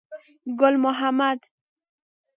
ګل محمد.